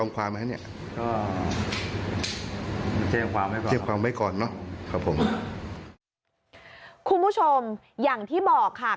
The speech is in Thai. คุณผู้ชมอย่างที่บอกค่ะ